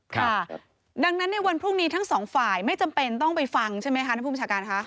ค่ะดังนั้นในวันพรุ่งนี้ทั้งสองฝ่ายไม่จำเป็นต้องไปฟังใช่ไหมคะท่านผู้บัญชาการค่ะ